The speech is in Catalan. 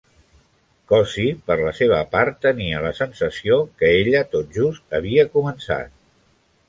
Cosey, per la seva part, tenia la sensació que ella tot just havia començat.